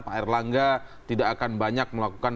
pak erlangga tidak akan banyak melakukan